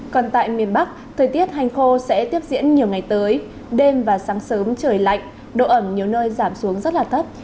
còn tại miền bắc thời tiết hành khô sẽ tiếp diễn nhiều ngày tới đêm và sáng sớm trời lạnh độ ẩm nhiều nơi giảm xuống rất là thấp